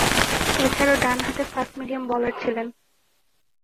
এছাড়াও ডানহাতে fast medium bowler ছিলেন।